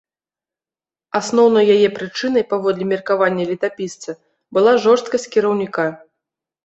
Асноўнай яе прычынай, паводле меркавання летапісца, была жорсткасць кіраўніка.